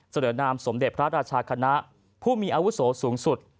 นามสมเด็จพระราชาคณะผู้มีอาวุโสสูงสุด